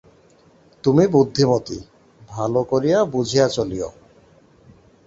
তুমি বুদ্ধিমতী, ভালো করিয়া বুঝিয়া চলিয়ো।